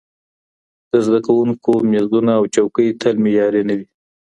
د زده کوونکو میزونه او چوکۍ تل معیاري نه وي.